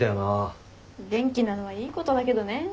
元気なのはいいことだけどね。